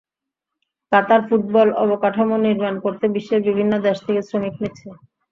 কাতার football অবকাঠামো নির্মাণ করতে বিশ্বের বিভিন্ন দেশ থেকে শ্রমিক নিচ্ছে।